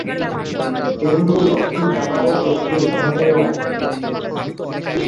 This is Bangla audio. এর মূল অফিস জাপানের টোকিও শহরেও আছে।